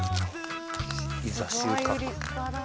いざ収穫。